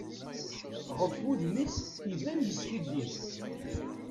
Ɣef wudem-is iban yeskiddib.